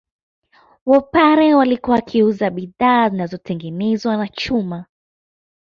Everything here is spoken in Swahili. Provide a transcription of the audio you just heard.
Wapare walikuwa wakiuza bidhaa zinazotengenezwa na chuma